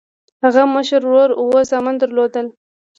هغه مشر ورور اووه زامن درلودل.